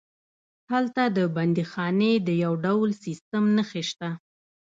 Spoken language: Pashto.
هلته د بندیخانې د یو ډول سیسټم نښې شته.